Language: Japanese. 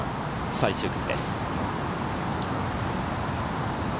最終組です。